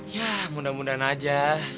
ya mudah mudahan aja